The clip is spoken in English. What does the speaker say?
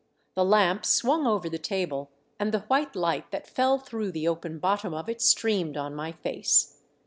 The lamp swung over the table and the white light that fell through the open bottom of it streamed on my face.